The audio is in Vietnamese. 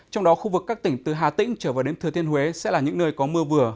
trong đó khu vực các tỉnh từ hà tĩnh trở vào đến thừa thiên huế sẽ là những nơi có mưa vừa